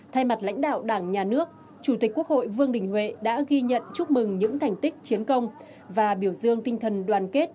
thay mặt lãnh đạo đảng nhà nước chủ tịch quốc hội vương đình huệ đã ghi nhận chúc mừng những thành tích chiến công và biểu dương tinh thần đoàn kết